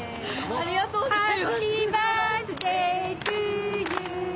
ありがとうございます。